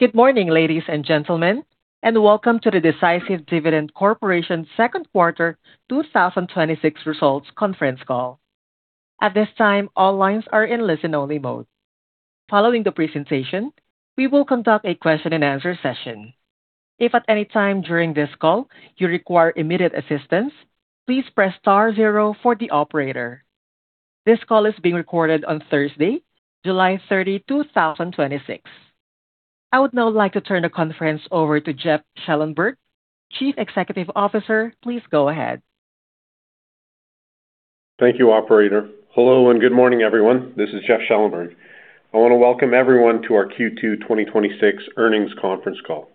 Good morning, ladies and gentlemen, and welcome to the Decisive Dividend Corporation second quarter 2026 results conference call. At this time, all lines are in listen-only mode. Following the presentation, we will conduct a question-and-answer session. If at any time during this call you require immediate assistance, please press star zero for the operator. This call is being recorded on Thursday, July 30, 2026. I would now like to turn the conference over to Jeff Schellenberg, Chief Executive Officer. Please go ahead. Thank you, operator. Hello, good morning, everyone. This is Jeff Schellenberg. I want to welcome everyone to our Q2 2026 earnings conference call.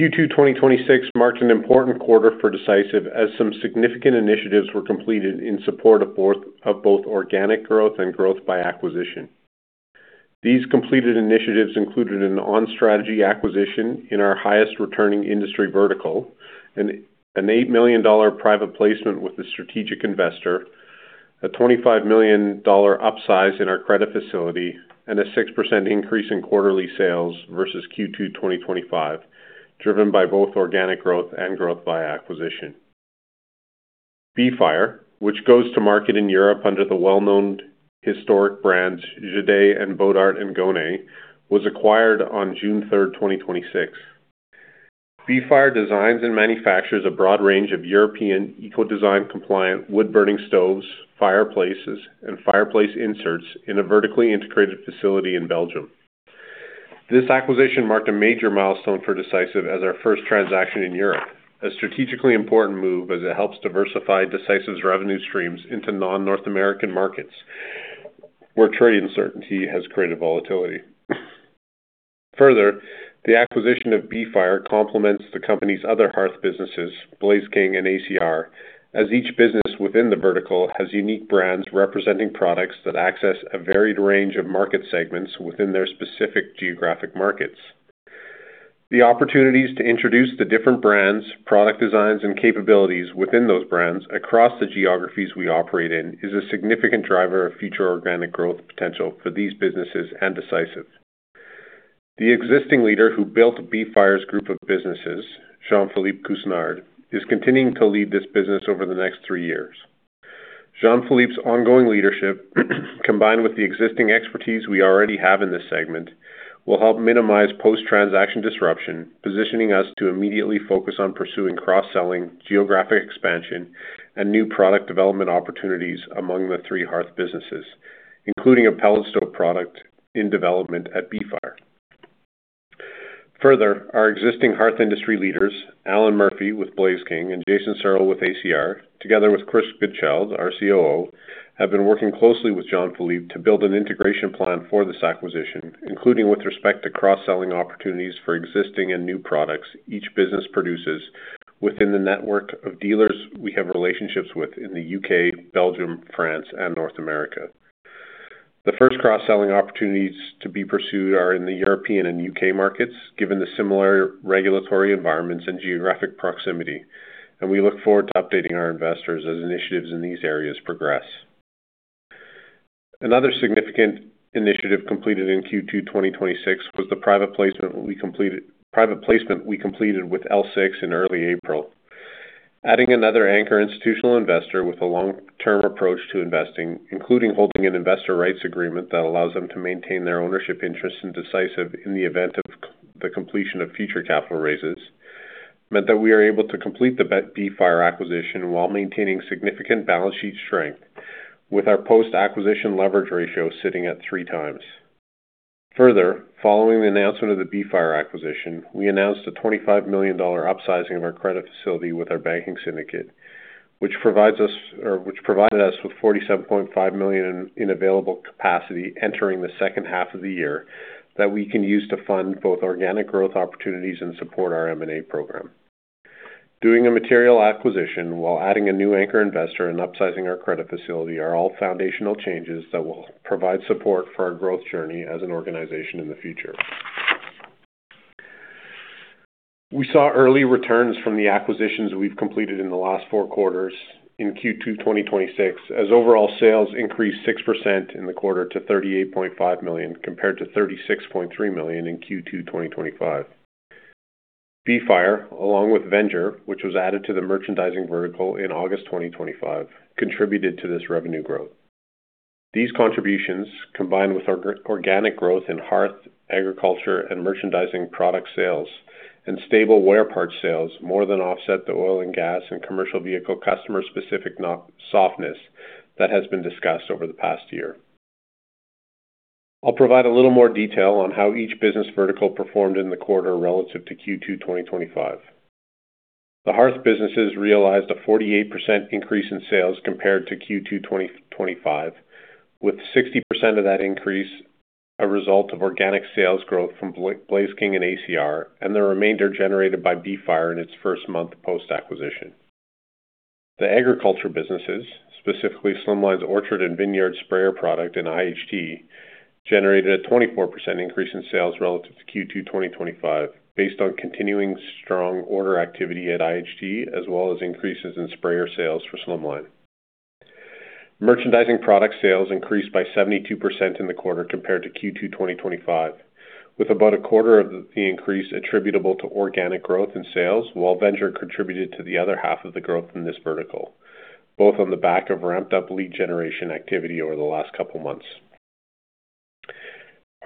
Q2 2026 marked an important quarter for Decisive, as some significant initiatives were completed in support of both organic growth and growth by acquisition. These completed initiatives included an on-strategy acquisition in our highest returning industry vertical, a 8 million dollar private placement with a strategic investor, a 25 million dollar upsize in our credit facility, a 6% increase in quarterly sales versus Q2 2025, driven by both organic growth and growth by acquisition. Be Fire, which goes to market in Europe under the well-known historic brands, Jidé and Bodart & Gonay, was acquired on June 3rd, 2026. Be Fire designs and manufactures a broad range of European Ecodesign compliant wood burning stoves, fireplaces, and fireplace inserts in a vertically integrated facility in Belgium. This acquisition marked a major milestone for Decisive as our first transaction in Europe, a strategically important move as it helps diversify Decisive's revenue streams into non-North American markets, where trade uncertainty has created volatility. Further, the acquisition of Be Fire complements the company's other hearth businesses, Blaze King and ACR, as each business within the vertical has unique brands representing products that access a varied range of market segments within their specific geographic markets. The opportunities to introduce the different brands, product designs, and capabilities within those brands across the geographies we operate in is a significant driver of future organic growth potential for these businesses and Decisive. The existing leader who built Be Fire's group of businesses, Jean-Philippe Couasnard, is continuing to lead this business over the next three years. Jean-Philippe's ongoing leadership, combined with the existing expertise we already have in this segment, will help minimize post-transaction disruption, positioning us to immediately focus on pursuing cross-selling, geographic expansion, and new product development opportunities among the three hearth businesses, including a pellet stove product in development at Be Fire. Further, our existing hearth industry leaders, Alan Murphy with Blaze King and Jason Searle with ACR, together with Chris Goodchild, our COO, have been working closely with Jean-Philippe to build an integration plan for this acquisition, including with respect to cross-selling opportunities for existing and new products each business produces within the network of dealers we have relationships with in the U.K., Belgium, France, and North America. The first cross-selling opportunities to be pursued are in the European and U.K. markets, given the similar regulatory environments and geographic proximity. We look forward to updating our investors as initiatives in these areas progress. Another significant initiative completed in Q2 2026 was the private placement we completed with L6 in early April. Adding another anchor institutional investor with a long-term approach to investing, including holding an investor rights agreement that allows them to maintain their ownership interest in Decisive in the event of the completion of future capital raises, meant that we are able to complete the Be Fire acquisition while maintaining significant balance sheet strength with our post-acquisition leverage ratio sitting at 3x. Following the announcement of the Be Fire acquisition, we announced a 25 million dollar upsizing of our credit facility with our banking syndicate, which provided us with 47.5 million in available capacity entering the second half of the year that we can use to fund both organic growth opportunities and support our M&A program. Doing a material acquisition while adding a new anchor investor and upsizing our credit facility are all foundational changes that will provide support for our growth journey as an organization in the future. We saw early returns from the acquisitions we've completed in the last four quarters in Q2 2026, as overall sales increased 6% in the quarter to 38.5 million, compared to 36.3 million in Q2 2025. Be Fire, along with Venger, which was added to the merchandising vertical in August 2025, contributed to this revenue growth. These contributions, combined with our organic growth in hearth, agriculture, and merchandising product sales, and stable wear part sales, more than offset the oil and gas and commercial vehicle customer specific softness that has been discussed over the past year. I'll provide a little more detail on how each business vertical performed in the quarter relative to Q2 2025. The hearth businesses realized a 48% increase in sales compared to Q2 2025, with 60% of that increase a result of organic sales growth from Blaze King and ACR, and the remainder generated by Be Fire in its first month post-acquisition. The agriculture businesses, specifically Slimline's orchard and vineyard sprayer product and IHT, generated a 24% increase in sales relative to Q2 2025, based on continuing strong order activity at IHT, as well as increases in sprayer sales for Slimline. Merchandising product sales increased by 72% in the quarter compared to Q2 2025, with about a quarter of the increase attributable to organic growth in sales, while Venger contributed to the other half of the growth in this vertical, both on the back of ramped-up lead generation activity over the last couple of months.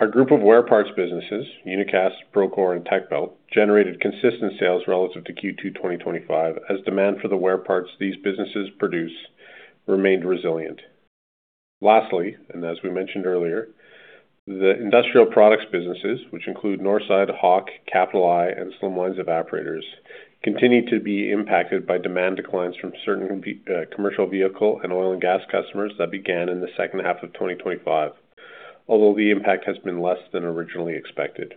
Our group of wear parts businesses, Unicast, Procore, and TechBelt, generated consistent sales relative to Q2 2025 as demand for the wear parts these businesses produce remained resilient. As we mentioned earlier, the industrial products businesses, which include Northside, Hawk, Capital I, and Slimline Evaporators, continue to be impacted by demand declines from certain commercial vehicle and oil and gas customers that began in the second half of 2025, although the impact has been less than originally expected.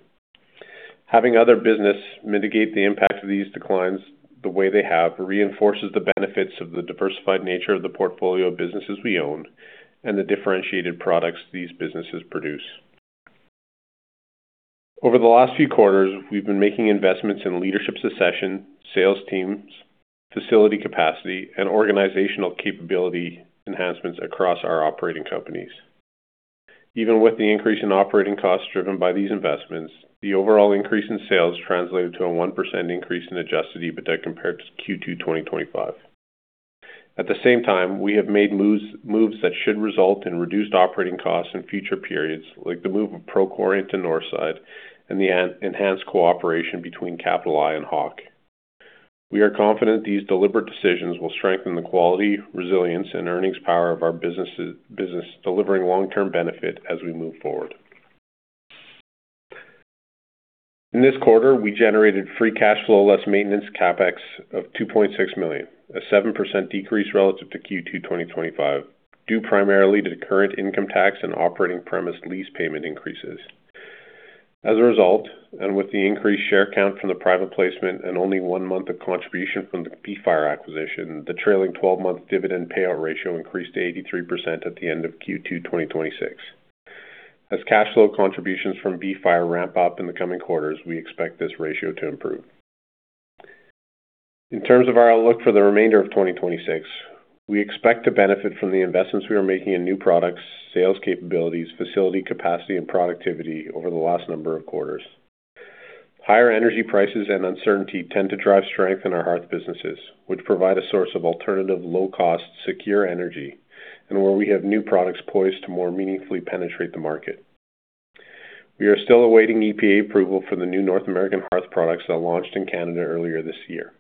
Having other business mitigate the impact of these declines the way they have reinforces the benefits of the diversified nature of the portfolio of businesses we own and the differentiated products these businesses produce. Over the last few quarters, we've been making investments in leadership succession, sales teams, facility capacity, and organizational capability enhancements across our operating companies. Even with the increase in operating costs driven by these investments, the overall increase in sales translated to a 1% increase in adjusted EBITDA compared to Q2 2025. At the same time, we have made moves that should result in reduced operating costs in future periods, like the move of Procore into Northside and the enhanced cooperation between Capital I and Hawk. We are confident these deliberate decisions will strengthen the quality, resilience, and earnings power of our business, delivering long-term benefit as we move forward. In this quarter, we generated free cash flow less maintenance CapEx of 2.6 million, a 7% decrease relative to Q2 2025, due primarily to current income tax and operating premise lease payment increases. As a result, with the increased share count from the private placement and only one month of contribution from the Be Fire acquisition, the trailing 12-month dividend payout ratio increased to 83% at the end of Q2 2026. As cash flow contributions from Be Fire ramp up in the coming quarters, we expect this ratio to improve. In terms of our outlook for the remainder of 2026, we expect to benefit from the investments we are making in new products, sales capabilities, facility capacity, and productivity over the last number of quarters. Higher energy prices and uncertainty tend to drive strength in our hearth businesses, which provide a source of alternative, low-cost, secure energy and where we have new products poised to more meaningfully penetrate the market. We are still awaiting EPA approval for the new North American hearth products that launched in Canada earlier this year.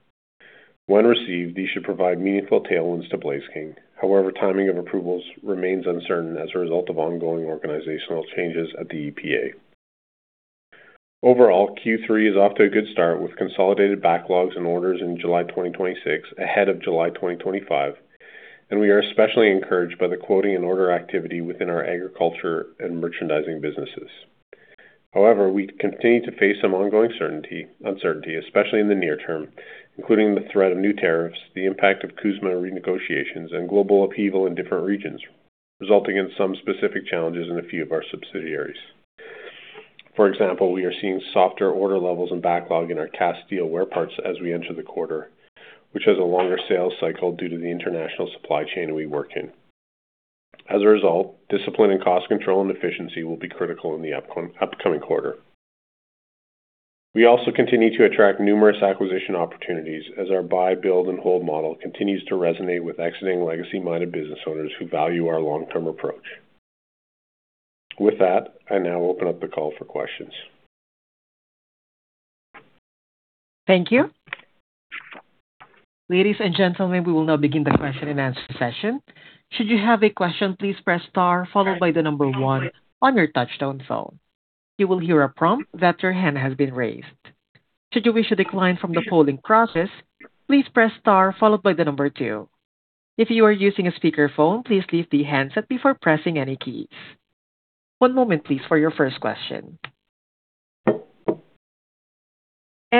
When received, these should provide meaningful tailwinds to Blaze King. Timing of approvals remains uncertain as a result of ongoing organizational changes at the EPA. Overall, Q3 is off to a good start with consolidated backlogs and orders in July 2026 ahead of July 2025. We are especially encouraged by the quoting and order activity within our agriculture and merchandising businesses. We continue to face some ongoing uncertainty, especially in the near term, including the threat of new tariffs, the impact of CUSMA renegotiations, and global upheaval in different regions, resulting in some specific challenges in a few of our subsidiaries. For example, we are seeing softer order levels and backlog in our cast steel wear parts as we enter the quarter, which has a longer sales cycle due to the international supply chain we work in. Discipline in cost control and efficiency will be critical in the upcoming quarter. We also continue to attract numerous acquisition opportunities as our buy, build, and hold model continues to resonate with exiting legacy-minded business owners who value our long-term approach. With that, I now open up the call for questions. Thank you. Ladies and gentlemen, we will now begin the question-and-answer session. Should you have a question, please press star followed by the number one on your touch-tone phone. You will hear a prompt that your hand has been raised. Should you wish to decline from the polling process, please press star followed by the number two. If you are using a speakerphone, please leave the handset before pressing any keys. One moment, please, for your first question.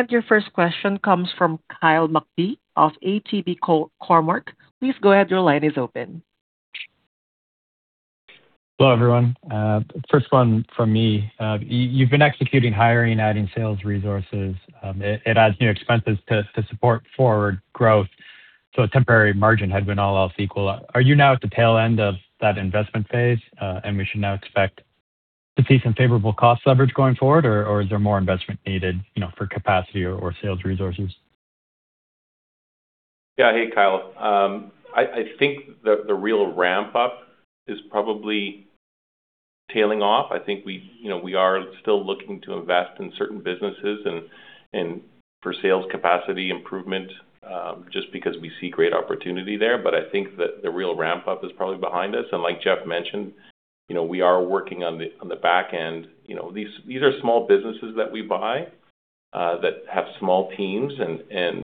Your first question comes from Kyle McPhee of ATB Cormark. Please go ahead. Your line is open. Hello, everyone. First one from me. You've been executing hiring, adding sales resources. It adds new expenses to support forward growth, so a temporary margin had been all else equal. Are you now at the tail end of that investment phase and we should now expect to see some favorable cost leverage going forward, or is there more investment needed for capacity or sales resources? Yeah. Hey, Kyle. I think the real ramp-up is probably tailing off. I think we are still looking to invest in certain businesses and for sales capacity improvement just because we see great opportunity there. I think that the real ramp-up is probably behind us. Like Jeff mentioned, we are working on the back end. These are small businesses that we buy that have small teams, and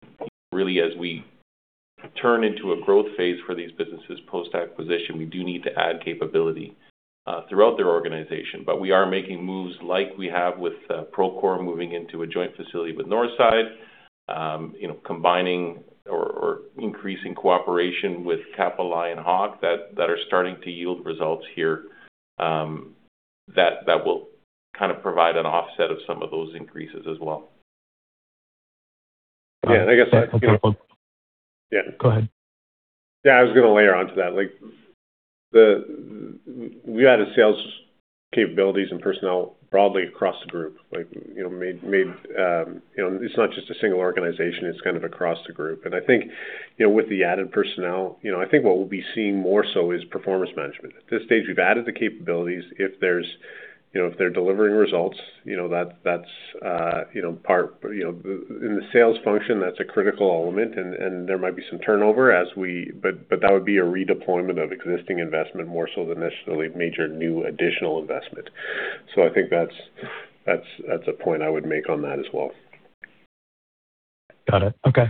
really as we turn into a growth phase for these businesses post-acquisition, we do need to add capability throughout their organization. We are making moves like we have with Procore moving into a joint facility with Northside, combining or increasing cooperation with Capital I and Hawk that are starting to yield results here that will provide an offset of some of those increases as well. Go ahead. I was going to layer onto that. We added sales capabilities and personnel broadly across the group. It's not just a single organization, it's kind of across the group. I think, with the added personnel, I think what we'll be seeing more so is performance management. At this stage, we've added the capabilities. If they're delivering results, in the sales function, that's a critical element, and there might be some turnover. That would be a redeployment of existing investment more so than necessarily major new additional investment. I think that's a point I would make on that as well. Got it. Okay.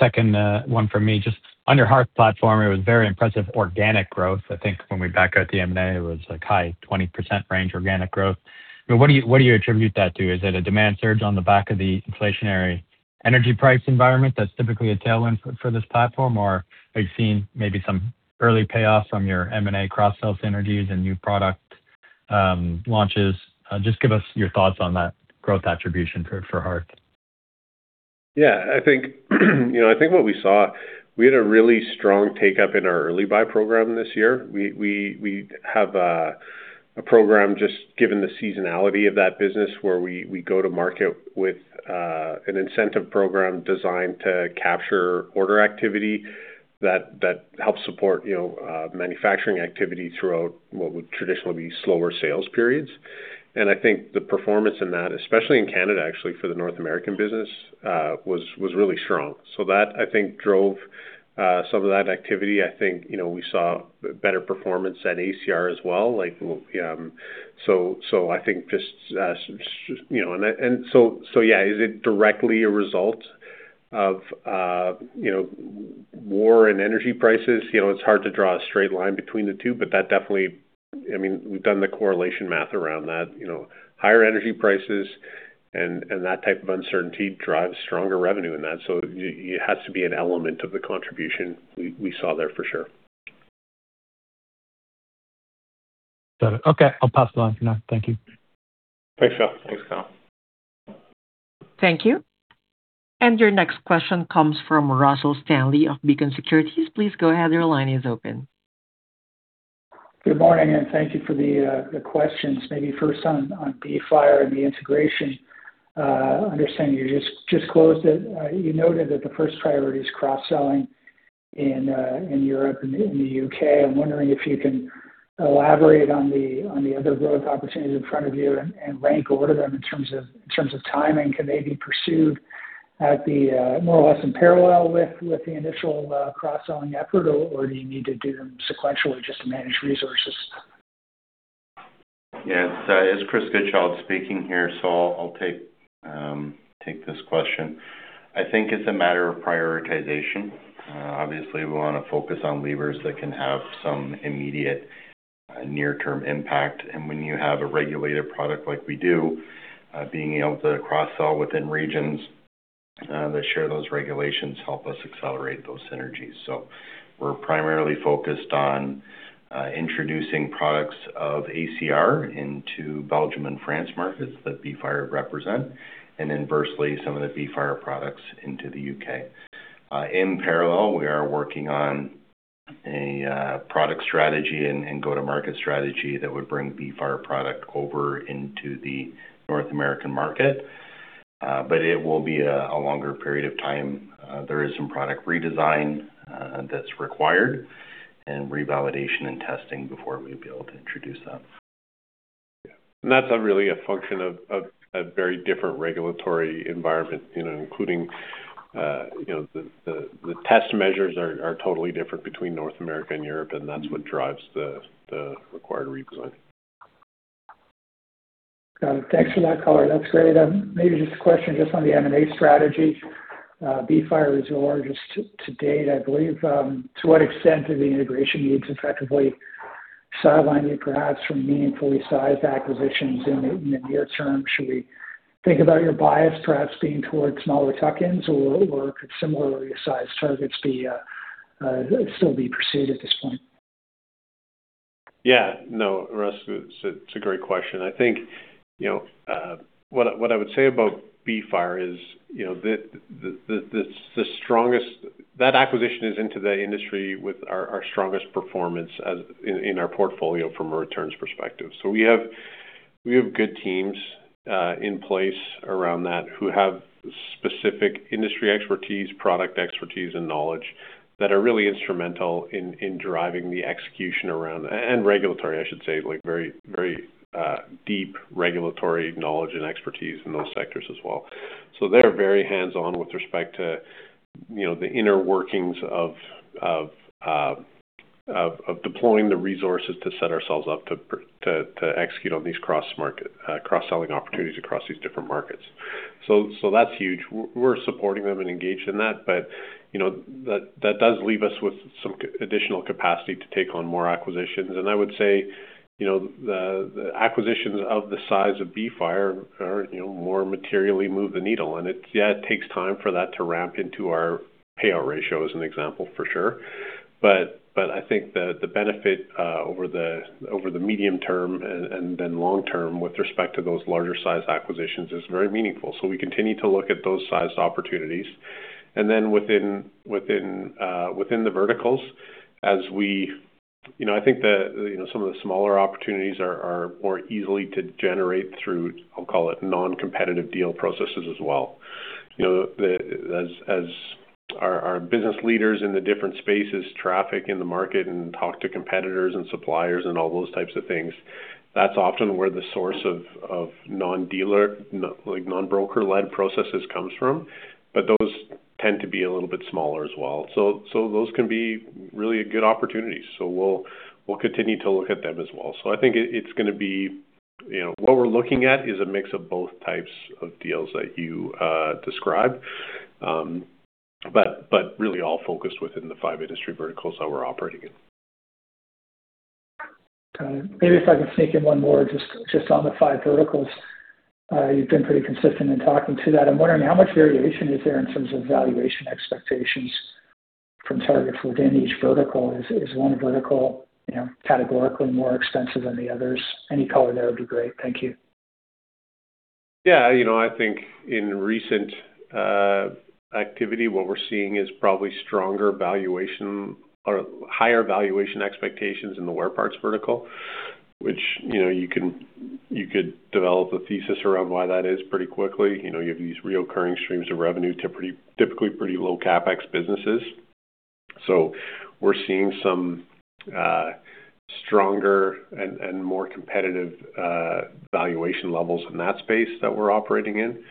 Second one for me, just on your Hearth platform, it was very impressive organic growth. I think when we back out the M&A, it was high 20% range organic growth. What do you attribute that to? Is it a demand surge on the back of the inflationary energy price environment that's typically a tailwind for this platform? Or are you seeing maybe some early payoffs from your M&A cross-sell synergies and new product launches? Just give us your thoughts on that growth attribution for Hearth. Yeah. I think what we saw, we had a really strong take-up in our early buy program this year. We have a program just given the seasonality of that business, where we go to market with an incentive program designed to capture order activity that helps support manufacturing activity throughout what would traditionally be slower sales periods. I think the performance in that, especially in Canada, actually, for the North American business, was really strong. That, I think, drove some of that activity. I think we saw better performance at ACR as well. Yeah. Is it directly a result of war and energy prices? It's hard to draw a straight line between the two, but We've done the correlation math around that. Higher energy prices and that type of uncertainty drives stronger revenue in that. It has to be an element of the contribution we saw there for sure. Got it. Okay, I'll pass it on for now. Thank you. Thanks, Kyle. Thank you. Your next question comes from Russell Stanley of Beacon Securities. Please go ahead. Your line is open. Good morning. Thank you for the questions. Maybe first on Be Fire and the integration. Understand you just closed it. You noted that the first priority is cross-selling in Europe and in the U.K. I'm wondering if you can elaborate on the other growth opportunities in front of you and rank order them in terms of timing. Can they be pursued more or less in parallel with the initial cross-selling effort, or do you need to do them sequentially just to manage resources? Yeah. It's Chris Goodchild speaking here, so I'll take this question. I think it's a matter of prioritization. Obviously, we want to focus on levers that can have some immediate near-term impact. When you have a regulated product like we do, being able to cross-sell within regions that share those regulations help us accelerate those synergies. We're primarily focused on introducing products of ACR into Belgium and France markets that Be Fire represent, and inversely, some of the Be Fire products into the U.K. In parallel, we are working on a product strategy and go-to-market strategy that would bring Be Fire product over into the North American market. It will be a longer period of time. There is some product redesign that's required and revalidation and testing before we'd be able to introduce that. Yeah. That's really a function of a very different regulatory environment, including the test measures are totally different between North America and Europe, and that's what drives the required redesign. Got it. Thanks for that color. That's great. Maybe just a question just on the M&A strategy. Be Fire is your largest to date, I believe. To what extent do the integration needs effectively sideline you perhaps from meaningfully sized acquisitions in the near term? Should we think about your bias perhaps being towards smaller tuck-ins, or could similarly sized targets still be pursued at this point? Yeah. No, Russell, it's a great question. I think what I would say about Be Fire is that acquisition is into the industry with our strongest performance in our portfolio from a returns perspective. We have good teams in place around that who have specific industry expertise, product expertise, and knowledge that are really instrumental in driving the execution. Regulatory, I should say, very deep regulatory knowledge and expertise in those sectors as well. They're very hands-on with respect to the inner workings of deploying the resources to set ourselves up to execute on these cross-selling opportunities across these different markets. That's huge. We're supporting them and engaged in that does leave us with some additional capacity to take on more acquisitions. I would say, the acquisitions of the size of Be Fire more materially move the needle, it takes time for that to ramp into our payout ratio as an example for sure. I think the benefit over the medium term and then long term with respect to those larger size acquisitions is very meaningful. We continue to look at those sized opportunities. Within the verticals, I think some of the smaller opportunities are more easily to generate through, I'll call it, non-competitive deal processes as well. As our business leaders in the different spaces traffic in the market and talk to competitors and suppliers and all those types of things, that's often where the source of non-broker-led processes comes from, but those tend to be a little bit smaller as well. Those can be really a good opportunity. We'll continue to look at them as well. I think what we're looking at is a mix of both types of deals that you described, but really all focused within the five industry verticals that we're operating in. Got it. Maybe if I can sneak in one more just on the five verticals. You've been pretty consistent in talking to that. I'm wondering how much variation is there in terms of valuation expectations from targets within each vertical? Is one vertical categorically more expensive than the others? Any color there would be great. Thank you. I think in recent activity, what we're seeing is probably higher valuation expectations in the wear parts vertical, which you could develop a thesis around why that is pretty quickly. You have these reoccurring streams of revenue to typically pretty low CapEx businesses. We're seeing some stronger and more competitive valuation levels in that space that we're operating in.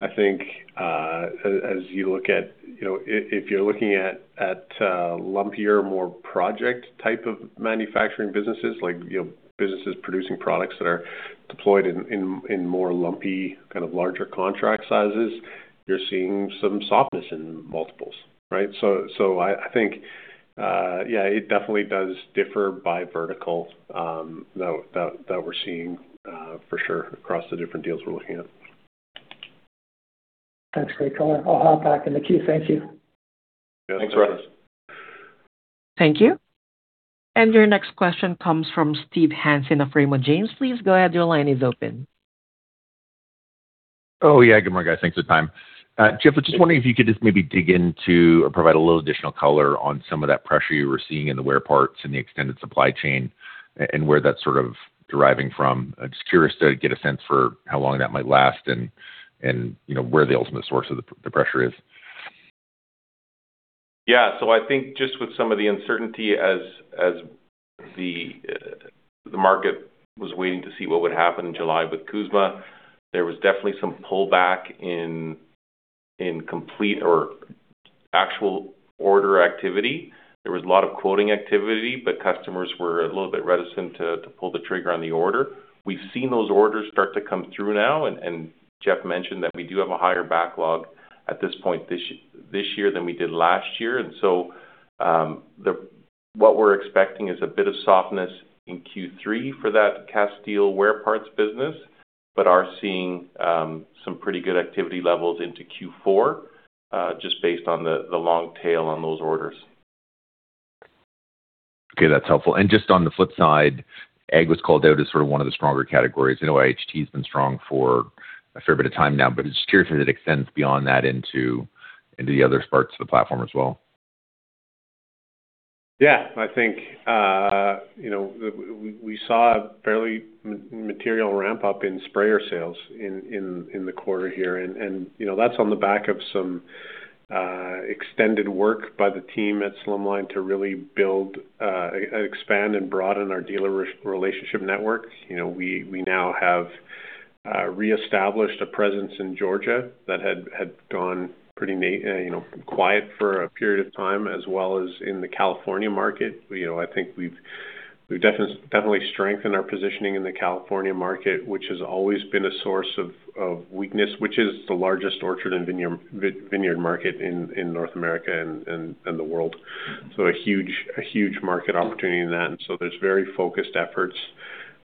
I think if you're looking at lumpier, more project type of manufacturing businesses, like businesses producing products that are deployed in more lumpy kind of larger contract sizes, you're seeing some softness in multiples, right? I think, yeah, it definitely does differ by vertical that we're seeing for sure across the different deals we're looking at. Thanks for your color. I'll hop back in the queue. Thank you. Yeah. Thanks, Russell. Thank you. Your next question comes from Steve Hansen of Raymond James. Please go ahead. Your line is open. Oh, yeah. Good morning, guys. Thanks for the time. Jeff, I was just wondering if you could just maybe dig into or provide a little additional color on some of that pressure you were seeing in the wear parts and the extended supply chain and where that's sort of deriving from. I'm just curious to get a sense for how long that might last and where the ultimate source of the pressure is. I think just with some of the uncertainty as the market was waiting to see what would happen in July with CUSMA, there was definitely some pullback in complete or actual order activity. There was a lot of quoting activity, but customers were a little bit reticent to pull the trigger on the order. We've seen those orders start to come through now, and Jeff mentioned that we do have a higher backlog at this point this year than we did last year. What we're expecting is a bit of softness in Q3 for that cast steel wear parts business, but are seeing some pretty good activity levels into Q4, just based on the long tail on those orders. Okay. That's helpful. Just on the flip side, ag was called out as sort of one of the stronger categories. I know IHT's been strong for a fair bit of time now, but just curious if it extends beyond that into the other parts of the platform as well. I think we saw a fairly material ramp up in sprayer sales in the quarter here, and that's on the back of some extended work by the team at Slimline to really build, expand, and broaden our dealer relationship network. We now have reestablished a presence in Georgia that had gone pretty quiet for a period of time, as well as in the California market. I think we've definitely strengthened our positioning in the California market, which has always been a source of weakness, which is the largest orchard and vineyard market in North America and the world. A huge market opportunity in that, there's very focused efforts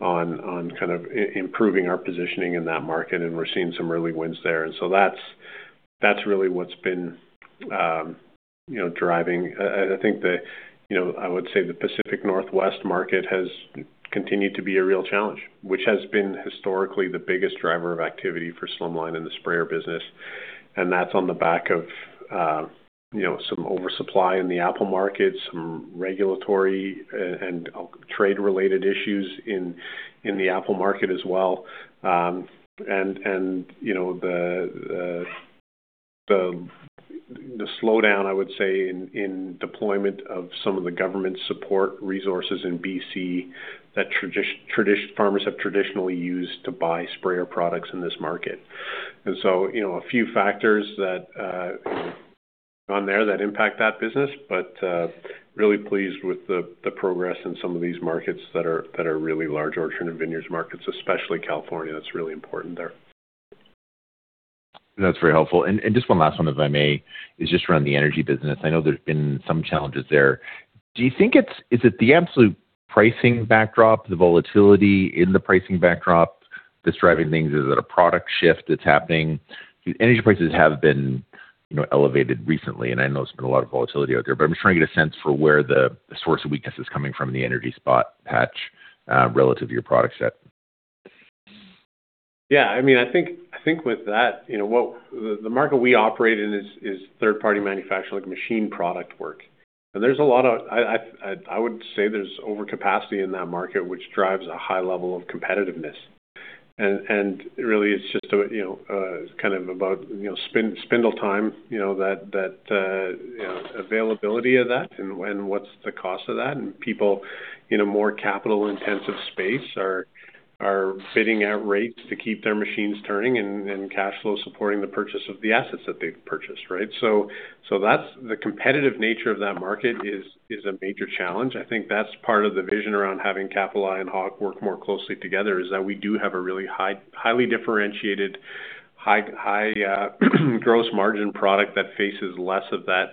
on kind of improving our positioning in that market, and we're seeing some early wins there. That's really what's been driving. I think that I would say the Pacific Northwest market has continued to be a real challenge, which has been historically the biggest driver of activity for Slimline in the sprayer business, and that's on the back of some oversupply in the Apple market, some regulatory and trade-related issues in the Apple market as well, and the slowdown, I would say, in deployment of some of the government support resources in B.C. that farmers have traditionally used to buy sprayer products in this market. A few factors on there that impact that business, but really pleased with the progress in some of these markets that are really large orchard and vineyards markets, especially California. That's really important there. That's very helpful. Just one last one, if I may, is just around the energy business. I know there's been some challenges there. Is it the absolute pricing backdrop, the volatility in the pricing backdrop, just driving things? Is it a product shift that's happening? Energy prices have been elevated recently, and I know there's been a lot of volatility out there, but I'm just trying to get a sense for where the source of weakness is coming from in the energy spot patch relative to your product set. Yeah, I think with that, the market we operate in is third-party manufacturing, machine product work. I would say there's overcapacity in that market, which drives a high level of competitiveness. Really, it's just about spindle time, that availability of that and what's the cost of that. People in a more capital-intensive space are bidding at rates to keep their machines turning and cash flow supporting the purchase of the assets that they've purchased, right? The competitive nature of that market is a major challenge. I think that's part of the vision around having Capital I and Hawk work more closely together is that we do have a really highly differentiated, high gross margin product that faces less of that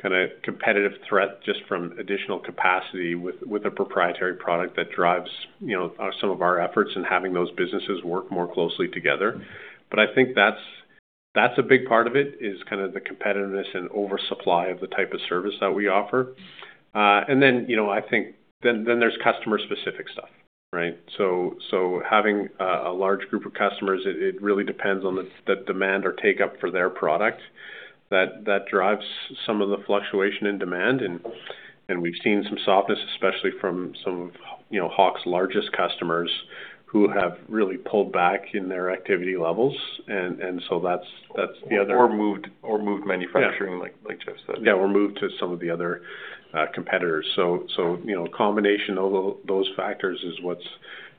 kind of competitive threat just from additional capacity with a proprietary product that drives some of our efforts and having those businesses work more closely together. I think that's a big part of it, is kind of the competitiveness and oversupply of the type of service that we offer. Then, I think then there's customer specific stuff, right? Having a large group of customers, it really depends on the demand or take-up for their product that drives some of the fluctuation in demand, and we've seen some softness, especially from some of Hawk's largest customers who have really pulled back in their activity levels. Or moved manufacturing, like Jeff said. Yeah, or moved to some of the other competitors. A combination of those factors is what's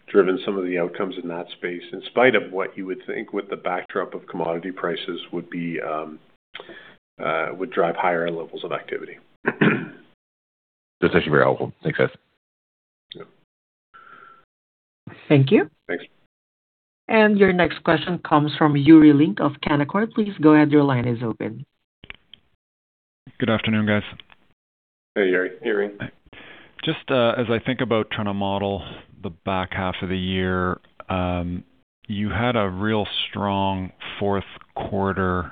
driven some of the outcomes in that space, in spite of what you would think with the backdrop of commodity prices would drive higher levels of activity. That's actually very helpful. Thanks, guys. Yeah. Thank you. Thanks. Your next question comes from Yuri Lynk of Canaccord. Please go ahead. Your line is open. Good afternoon, guys. Hey, Yuri. Just as I think about trying to model the back half of the year, you had a really strong fourth quarter,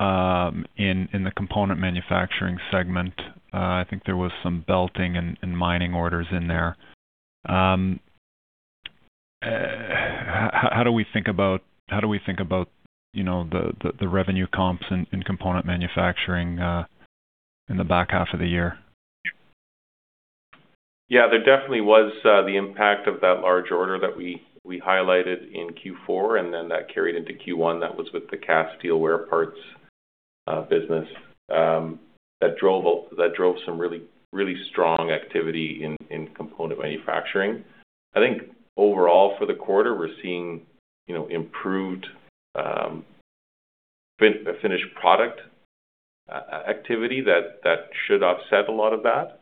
in the component manufacturing segment. I think there was some belting and mining orders in there. How do we think about the revenue comps in component manufacturing, in the back half of the year? There definitely was the impact of that large order that we highlighted in Q4, then that carried into Q1. That was with the cast steel wear parts business, that drove some really strong activity in component manufacturing. I think overall for the quarter, we're seeing improved finished product activity that should offset a lot of that.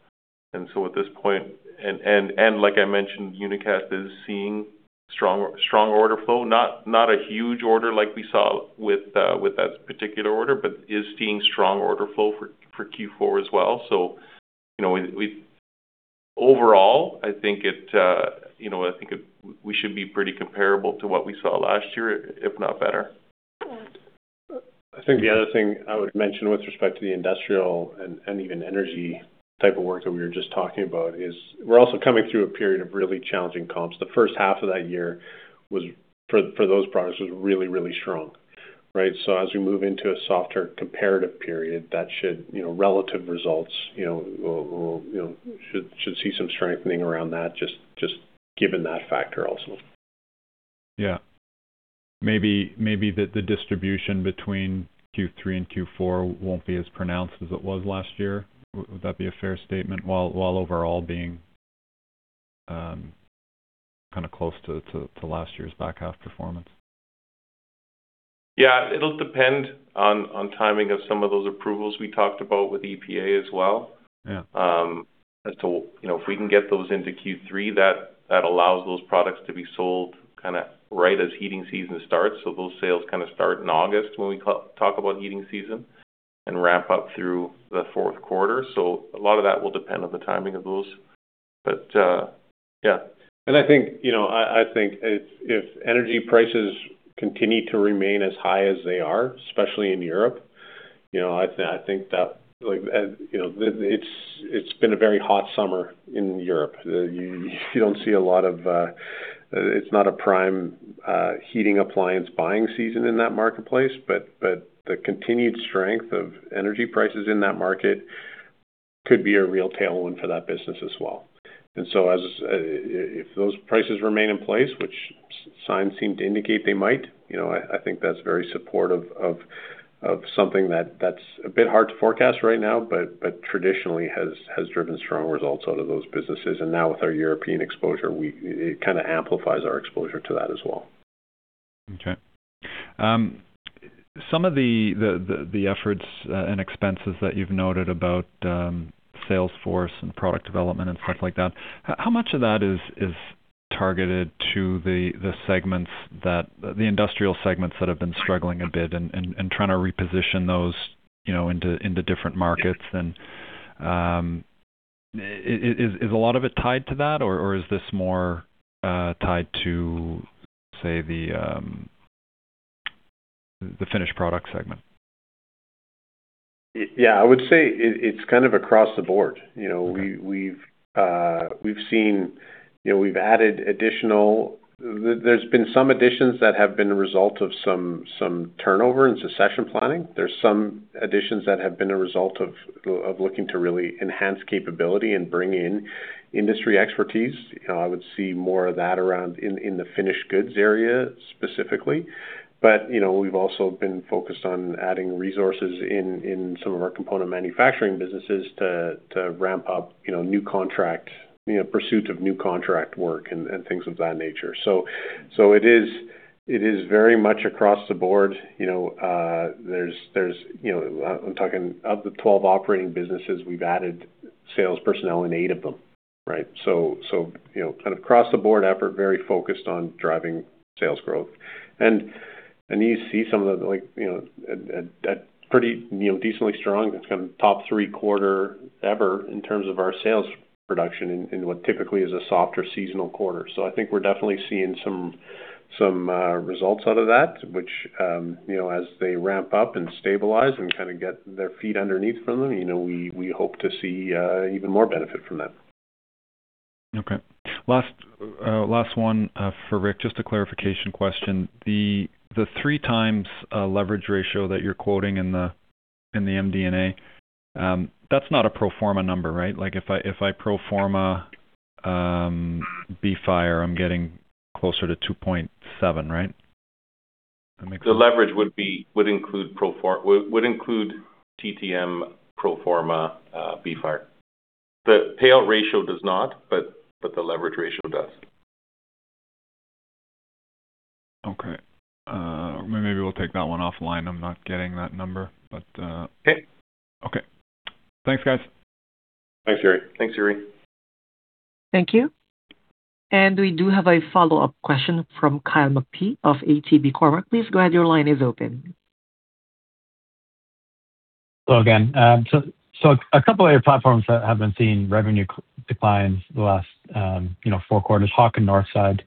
At this point, like I mentioned, Unicast is seeing strong order flow. Not a huge order like we saw with that particular order, but is seeing strong order flow for Q4 as well. Overall, I think we should be pretty comparable to what we saw last year, if not better. I think the other thing I would mention with respect to the industrial and even energy type of work that we were just talking about is we're also coming through a period of really challenging comps. The first half of that year, for those products, was really, really strong, right? As we move into a softer comparative period, relative results should see some strengthening around that, just given that factor also. Maybe the distribution between Q3 and Q4 won't be as pronounced as it was last year. Would that be a fair statement? While overall being kind of close to last year's back half performance. Yeah, it'll depend on timing of some of those approvals we talked about with EPA as well. Yeah. As to if we can get those into Q3, that allows those products to be sold kind of right as heating season starts. Those sales kind of start in August when we talk about heating season and ramp up through the fourth quarter. A lot of that will depend on the timing of those. Yeah. I think if energy prices continue to remain as high as they are, especially in Europe, it's been a very hot summer in Europe. It's not a prime heating appliance buying season in that marketplace, the continued strength of energy prices in that market could be a real tailwind for that business as well. If those prices remain in place, which signs seem to indicate they might, I think that's very supportive of something that's a bit hard to forecast right now but traditionally has driven strong results out of those businesses. Now with our European exposure, it kind of amplifies our exposure to that as well. Okay. Some of the efforts and expenses that you've noted about sales force and product development and stuff like that, how much of that is targeted to the industrial segments that have been struggling a bit and trying to reposition those into different markets? Is a lot of it tied to that, or is this more tied to, say, the finished product segment? Yeah, I would say it's kind of across the board. Okay. There's been some additions that have been a result of some turnover and succession planning. There's some additions that have been a result of looking to really enhance capability and bring in industry expertise. I would see more of that around in the finished goods area specifically. We've also been focused on adding resources in some of our component manufacturing businesses to ramp up pursuit of new contract work and things of that nature. It is very much across the board. I'm talking of the 12 operating businesses, we've added sales personnel in eight of them, right? Kind of across the board effort, very focused on driving sales growth. You see some of the pretty decently strong, top three quarter ever in terms of our sales production in what typically is a softer seasonal quarter. I think we're definitely seeing some results out of that, which as they ramp up and stabilize and kind of get their feet underneath them, we hope to see even more benefit from them. Okay. Last one for Rick, just a clarification question. The three times leverage ratio that you're quoting in the MD&A, that's not a pro forma number, right? If I pro forma Be Fire, I'm getting closer to 2.7, right? Does that make sense? The leverage would include TTM pro forma Be Fire. The payout ratio does not. The leverage ratio does. Okay. Maybe we'll take that one offline. I'm not getting that number. Okay. Okay. Thanks, guys. Thanks, Yuri. Thank you. We do have a follow-up question from Kyle McPhee of ATB Cormark. Please go ahead, your line is open. Hello again. A couple of your platforms that have been seeing revenue declines the last four quarters, Hawk and Northside.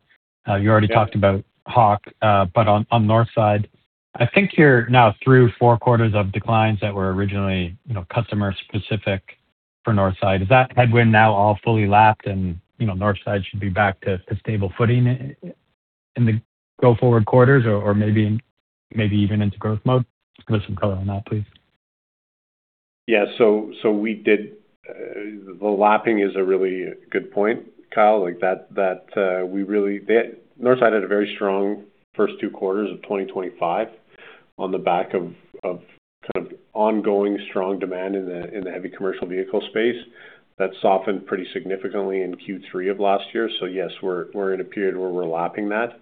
You already talked about Hawk, but on Northside, I think you're now through four quarters of declines that were originally customer specific for Northside. Is that headwind now all fully lapped and Northside should be back to stable footing in the go forward quarters or maybe even into growth mode? Give us some color on that, please. Yeah. The lapping is a really good point, Kyle. Northside had a very strong first two quarters of 2025 on the back of ongoing strong demand in the heavy commercial vehicle space. That softened pretty significantly in Q3 of last year. Yes, we're in a period where we're lapping that.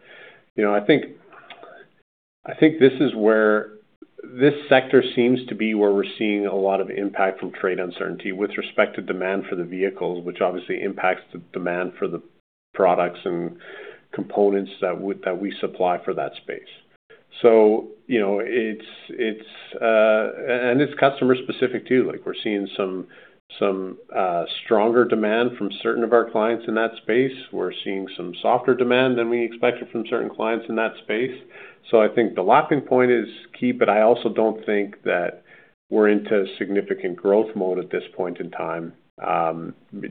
I think this sector seems to be where we're seeing a lot of impact from trade uncertainty with respect to demand for the vehicles, which obviously impacts the demand for the products and components that we supply for that space. It's customer specific, too. We're seeing some stronger demand from certain of our clients in that space. We're seeing some softer demand than we expected from certain clients in that space. I think the lapping point is key, but I also don't think that we're into significant growth mode at this point in time,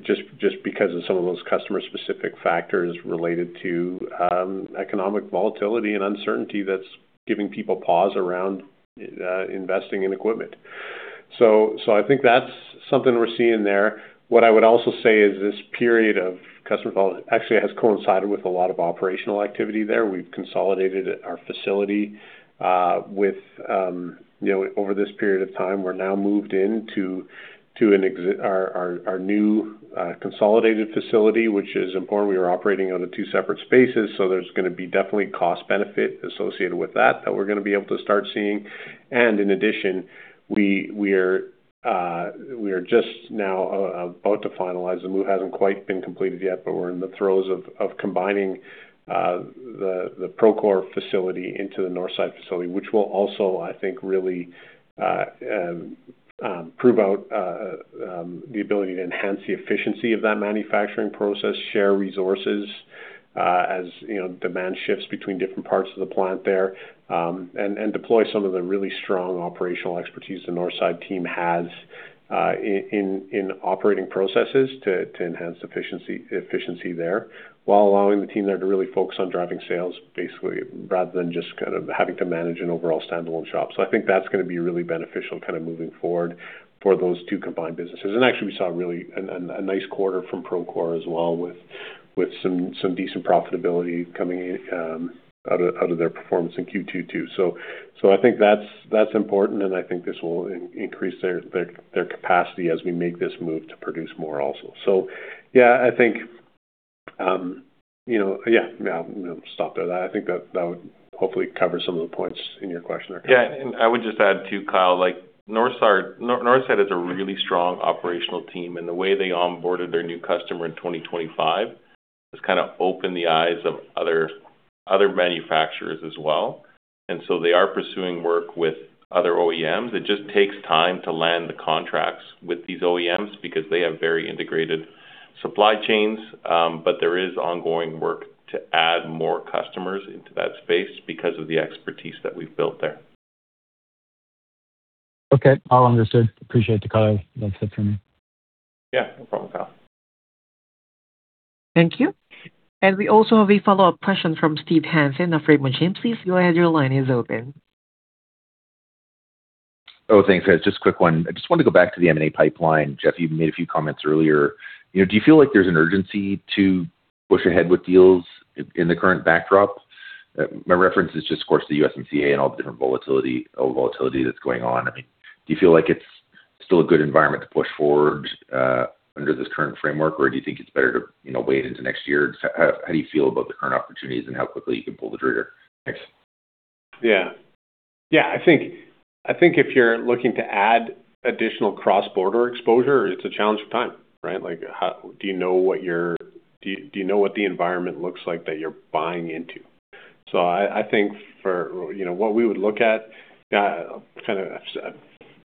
just because of some of those customer specific factors related to economic volatility and uncertainty that's giving people pause around investing in equipment. I think that's something we're seeing there. What I would also say is this period of customer actually, it has coincided with a lot of operational activity there. We've consolidated our facility over this period of time. We're now moved in to our new consolidated facility, which is important. We were operating out of two separate spaces, so there's going to be definitely cost benefit associated with that we're going to be able to start seeing. In addition, we are just now about to finalize. The move hasn't quite been completed yet, but we're in the throes of combining the Procore facility into the Northside facility, which will also, I think, really prove out the ability to enhance the efficiency of that manufacturing process, share resources, as demand shifts between different parts of the plant there, and deploy some of the really strong operational expertise the Northside team has in operating processes to enhance efficiency there, while allowing the team there to really focus on driving sales, basically, rather than just kind of having to manage an overall standalone shop. I think that's going to be really beneficial moving forward for those two combined businesses. Actually, we saw a really nice quarter from Procore as well, with some decent profitability coming out of their performance in Q2, too. I think that's important, and I think this will increase their capacity as we make this move to produce more also. Yeah, I think I'll stop there. I think that would hopefully cover some of the points in your question there, Kyle. Yeah, I would just add, too, Kyle, Northside is a really strong operational team, and the way they onboarded their new customer in 2025 has kind of opened the eyes of other. Other manufacturers as well. They are pursuing work with other OEMs. It just takes time to land the contracts with these OEMs because they have very integrated supply chains. There is ongoing work to add more customers into that space because of the expertise that we've built there. Okay, all understood. Appreciate the color. That's it for me. Yeah, no problem, Kyle. Thank you. We also have a follow-up question from Steve Hansen of Raymond James. Please go ahead, your line is open. Thanks. Just a quick one. I just want to go back to the M&A pipeline. Jeff, you made a few comments earlier. Do you feel like there's an urgency to push ahead with deals in the current backdrop? My reference is just, of course, the USMCA and all the different volatility that's going on. I mean, do you feel like it's still a good environment to push forward under this current framework? Do you think it's better to wait into next year? How do you feel about the current opportunities and how quickly you can pull the trigger? Thanks. Yeah. I think if you're looking to add additional cross-border exposure, it's a challenge of time, right? Do you know what the environment looks like that you're buying into? I think for what we would look at, I've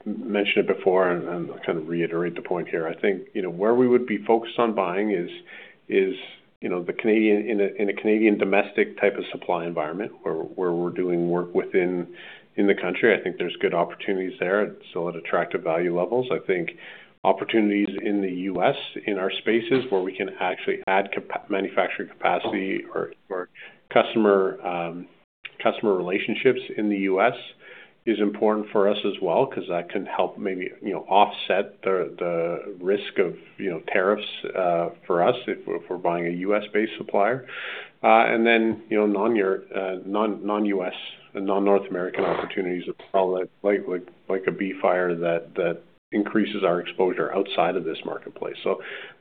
mentioned it before, and I'll kind of reiterate the point here. I think, where we would be focused on buying is in a Canadian domestic type of supply environment, where we're doing work within the country. I think there's good opportunities there, still at attractive value levels. I think opportunities in the U.S., in our spaces where we can actually add manufacturing capacity or customer relationships in the U.S. is important for us as well because that can help maybe offset the risk of tariffs for us if we're buying a U.S.-based supplier. Then, non-U.S. and non-North American opportunities are probably like a Be Fire that increases our exposure outside of this marketplace.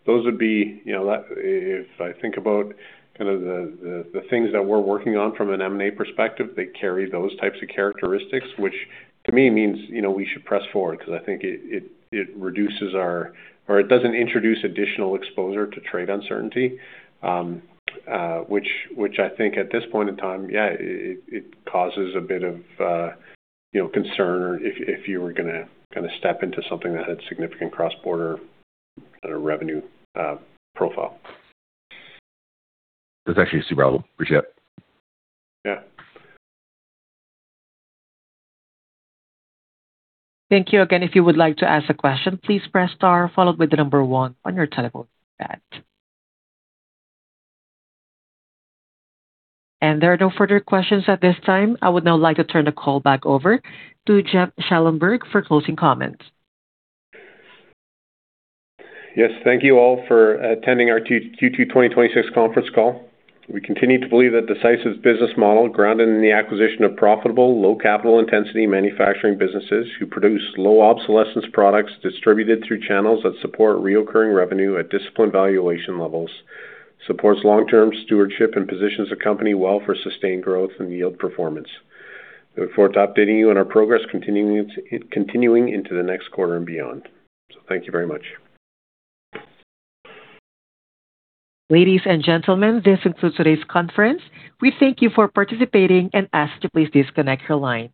If I think about the things that we're working on from an M&A perspective, they carry those types of characteristics, which to me means we should press forward because I think it doesn't introduce additional exposure to trade uncertainty, which I think at this point in time, yeah, it causes a bit of concern if you were going to step into something that had significant cross-border revenue profile. That's actually super helpful. Appreciate it. Yeah. Thank you. Again, if you would like to ask a question, please press star followed by the number 1 on your telephone pad. There are no further questions at this time. I would now like to turn the call back over to Jeff Schellenberg for closing comments. Yes. Thank you all for attending our Q2 2026 conference call. We continue to believe that Decisive's business model, grounded in the acquisition of profitable, low capital intensity manufacturing businesses who produce low obsolescence products distributed through channels that support reoccurring revenue at disciplined valuation levels, supports long-term stewardship and positions the company well for sustained growth and yield performance. We look forward to updating you on our progress continuing into the next quarter and beyond. Thank you very much. Ladies and gentlemen, this concludes today's conference. We thank you for participating and ask that you please disconnect your line.